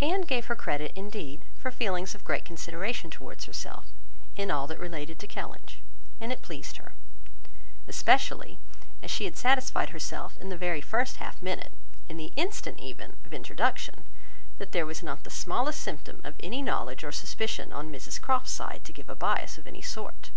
Anne gave her credit, indeed, for feelings of great consideration towards herself, in all that related to Kellynch, and it pleased her: especially, as she had satisfied herself in the very first half minute, in the instant even of introduction, that there was not the smallest symptom of any knowledge or suspicion on Mrs Croft's side, to give a bias of any sort.